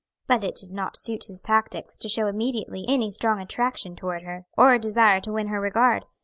But it did not suit his tactics to show immediately any strong attraction toward her, or desire to win her regard.